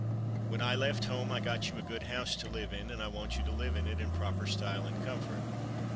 "When I left home I got you a good house to live in, and I want you to live in it in proper style and comfort.